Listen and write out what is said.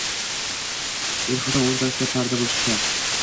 Er-xotin o‘rtasida parda bo‘lishi shart.